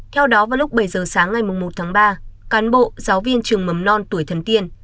theo đó vào lúc bảy giờ sáng ngày một tháng ba cán bộ giáo viên trường mầm non tuổi thần tiên